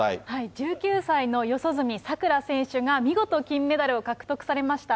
１９歳の四十住さくら選手が、見事金メダルを獲得されました。